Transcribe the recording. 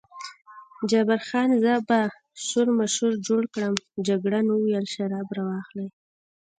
جبار خان: زه به شورماشور جوړ کړم، جګړن وویل شراب را واخلئ.